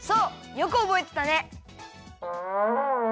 よくおぼえてたね！